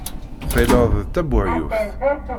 Tɣileḍ d tabuheyyuft.